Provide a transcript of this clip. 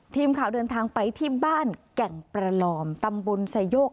ทีมข่าวเดินทางไปที่บ้านแก่งประลอมตำบลไซโยก